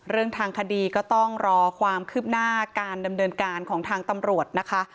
เรื่องทางคดีก็ต้องรอความคืบหน้าการดำเนินการของทางตำรวจนะคะ